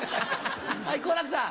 はい好楽さん。